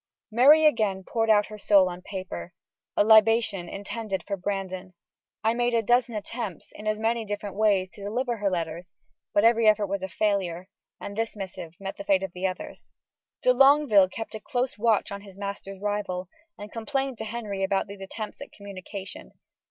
Mary again poured out her soul on paper a libation intended for Brandon. I made a dozen attempts, in as many different ways, to deliver her letters, but every effort was a failure, and this missive met the fate of the others. De Longueville kept close watch on his master's rival, and complained to Henry about these attempts at communication.